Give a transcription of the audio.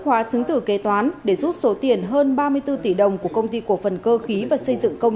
hóa chứng tử kê toán để rút số tiền hơn ba mươi bốn tỷ đồng của công ty của phần cơ khí và xây dựng